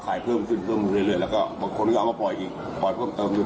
เพิ่มขึ้นเพิ่มเรื่อยแล้วก็บางคนก็เอามาปล่อยอีกปล่อยเพิ่มเติมอยู่